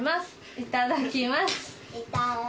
いただきます。